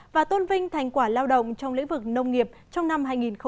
và tôn vinh thành quả lao động trong lĩnh vực nông nghiệp trong năm hai nghìn một mươi chín